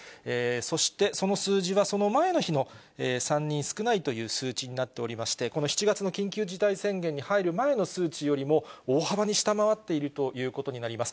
そして、その数字は、その前の日の３人少ないという数値になっておりまして、この７月の緊急事態宣言に入る前の数値よりも、大幅に下回っているということになります。